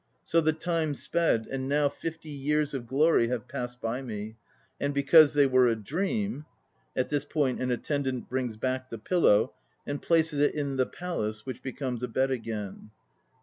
So the time sped, and now Fifty years of glory have passed by me, And because they were a dream, (At this point an ATTENDANT brings back the pillow, and places it in the "palace" which becomes a bed again.)